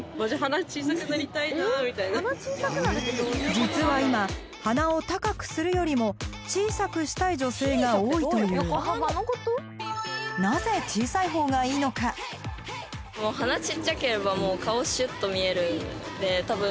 実は今鼻を高くするよりも小さくしたい女性が多いという多分みんな鼻小っちゃい方がいいのかなって。